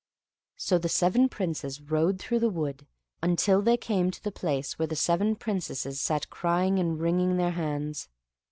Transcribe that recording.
So the seven Princes rode through the wood until they came to the place where the seven Princesses sat crying and wringing their hands.